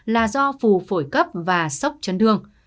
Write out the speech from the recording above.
là do phù phổi cấp và sốc chân thương